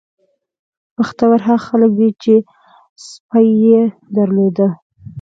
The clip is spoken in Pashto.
بختور هغه خلک وو چې سپی یې درلود.